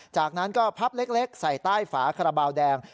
จากนั้นก็พับเล็กใส่ใต้ฝาคาราบาลแดง